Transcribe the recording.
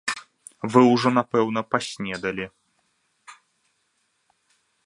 Вы ўжо напэўна паснедалі.